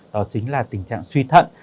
đó chính là tình trạng suy thận